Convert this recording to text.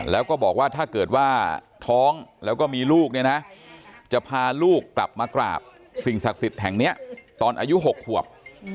แล้วก็บอกว่าถ้าเกิดว่าท้องแล้วก็มีลูกเนี่ยนะจะพาลูกกลับมากราบสิ่งศักดิ์สิทธิ์แห่งนี้ตอนอายุ๖ขวบ